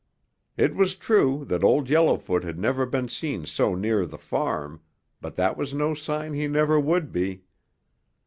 It was true that Old Yellowfoot had never been seen so near the farm but that was no sign he never would be.